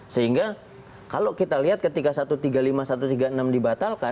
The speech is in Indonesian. sehingga kalau kita lihat ketika satu ratus tiga puluh lima satu ratus tiga puluh enam dibatalkan